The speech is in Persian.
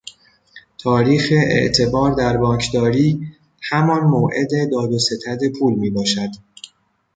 تاریخ اعتبار در بانکداری همان موعد داد و ستد پول میباشد.